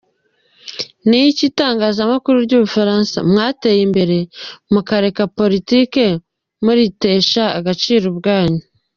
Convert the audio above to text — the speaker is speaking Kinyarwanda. ni iki? Itangazamakuru ry’u Bufaransa mwateye imbere mukareka politiki, muritesha agaciro ubwanyu.